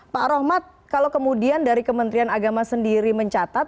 pak rohmat kalau kemudian dari kementerian agama sendiri mencatat